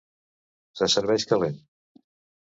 Se serveix calent.